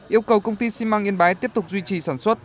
yêu cầu công ty xi măng yên bái tiếp tục duy trì sản xuất